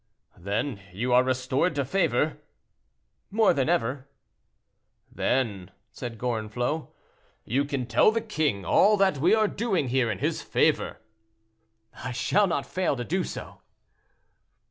"Then you are restored to favor?" "More than ever." "Then," said Gorenflot, "you can tell the king all that we are doing here in his favor." "I shall not fail to do so."